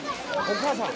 お母さん。